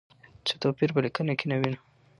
څه توپیر په لیکنه کې نه وینو؟